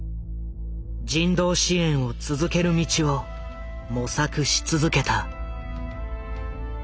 人道支援を続ける道を模索し続けた。